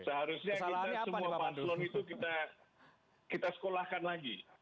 seharusnya kita semua paslon itu kita sekolahkan lagi